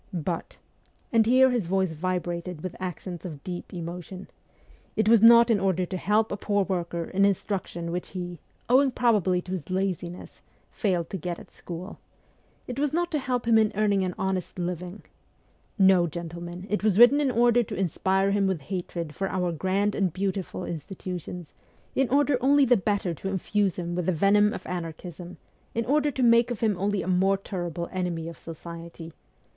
... But ' and here his voice vibrated with accents of deep emotion ' it was not in order to help a poor worker in instruction which he, owing probably to his laziness, failed to get at school. It was not to help him in earning an honest living. ... No, gentlemen it was written in order to inspire him with hatred for our grand and beautiful institutions, in order only the better to infuse him with the venom of anarchism, in order to make of him only a more terrible enemy of society.